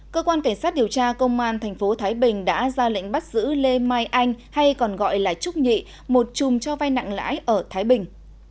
cơ quan cảnh sát điều tra công an tp thái bình đã ra lệnh bắt giữ lê mai anh hay còn gọi là trúc nhị một chùm cho vai nặng lãi ở thái bình